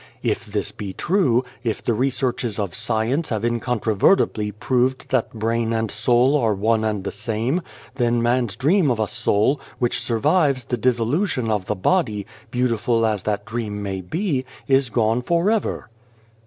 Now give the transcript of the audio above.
'" If this be true, if the researches of science have incontrovertibly proved that brain and soul are one and the same, then man's dream of a soul, which survives the dissolution of the body, beautiful as that dream may be, is gone for ever."